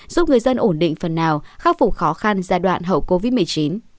giúp người dân ổn định phần nào khắc phục khó khăn giai đoạn hậu covid một mươi chín